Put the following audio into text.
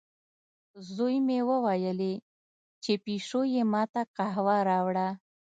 زوی مې وویلې، چې پیشو یې ما ته قهوه راوړه.